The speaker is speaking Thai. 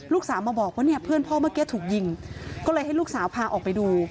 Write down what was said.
ลูกสาวมาบอกว่าเนี่ยเพื่อนพ่อเมื่อกี้ถูกยิงก็เลยให้ลูกสาวพาออกไปดู